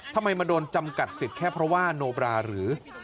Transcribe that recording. ทำไมมาโดนจำกัดสิทธิ์แค่เพราะว่าโนบราหรือ